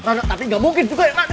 nggak tapi gak mungkin juga ya